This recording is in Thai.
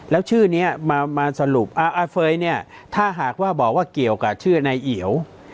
แล้วชื่อนี้มาสรุปอาเฟย์เนี่ยถ้าหากว่าบอกว่าเกี่ยวกับชื่อนายเอียว